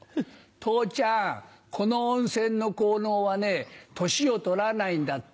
父ちゃんこの温泉の効能はね年を取らないんだって。